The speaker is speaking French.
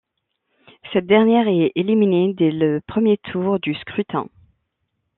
Cette dernière est éliminée dès le premier tour du scrutin.